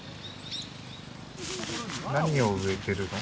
何を植えてるの？